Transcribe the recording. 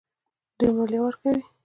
دوی مالیه ورکوي.